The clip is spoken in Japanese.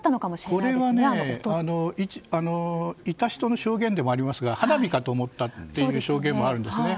これはいた人の証言でもありますが花火かと思ったという証言もあるんですね。